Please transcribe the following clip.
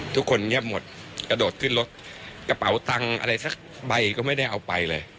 ทุกคนเงียบหมดกระโดดขึ้นรถกระเป๋าตังค์อะไรสักใบก็ไม่ได้เอาไปเลย